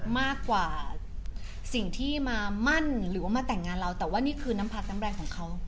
มากกว่าสิ่งที่มามั่นหรือว่ามาแต่งงานเราแต่ว่านี่คือน้ำพักน้ำแรงของเขา